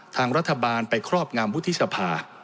ทางรัฐบาลไปครอบงามวุฒิสภา